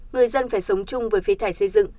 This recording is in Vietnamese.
người dân phải sống chung với phi thải xây dựng